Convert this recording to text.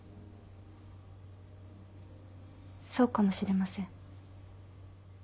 そうかもしれません。